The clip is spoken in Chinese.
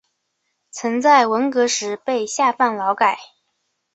曾在文革时被下放劳改。